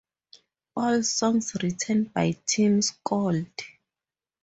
All songs written by Tim Skold.